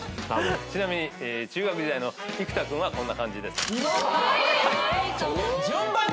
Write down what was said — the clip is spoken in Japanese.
ちなみに中学時代の生田君はこんな感じです。